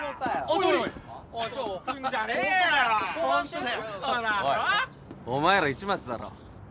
おいお前ら市松だろ？